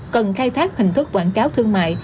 cần khai thác hình thức quảng cáo thương mại